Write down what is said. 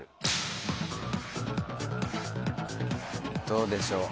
どうでしょう？